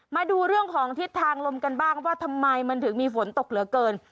มาดูเรื่องของทิศทางลมกันบ้างว่าทำไมมันถึงมีฝนตกเหลือเกิน